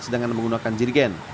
sedang menggunakan jirigen